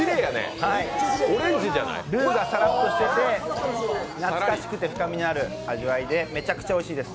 ルーがサラッとしてて懐かしくて深みのある味わいでめちゃくちゃおいしいです。